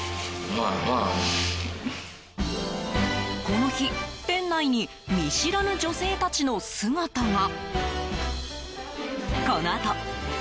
この日、店内に見知らぬ女性たちの姿が。